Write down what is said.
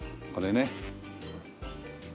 これね。